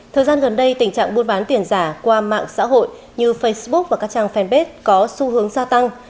thời gian gần đây tình trạng buôn bán tiền giả qua mạng xã hội như facebook và các trang fanpage có xu hướng gia tăng